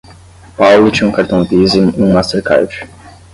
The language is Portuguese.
Paulo tinha um cartão Visa e um Mastercard.